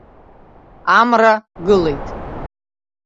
Амра гылеит.